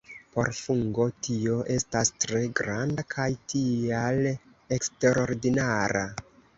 Por fungo tio estas tre granda kaj tial eksterordinara.